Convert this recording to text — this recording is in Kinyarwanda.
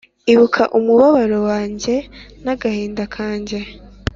Ibuka umubabaro wanjye n’agahinda kanjye,